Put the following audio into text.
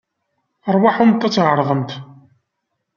Aṛwaḥemt ad tɛeṛḍemt.